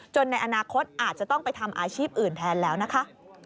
ในอนาคตอาจจะต้องไปทำอาชีพอื่นแทนแล้วนะคะ